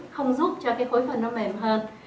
không giúp cho cái khối phần nó mềm hơn